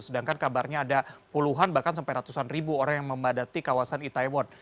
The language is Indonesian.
sedangkan kabarnya ada puluhan bahkan sampai ratusan ribu orang yang memadati kawasan itaewon